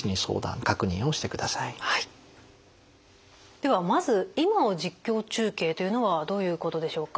ではまず「今を実況中継」というのはどういうことでしょうか？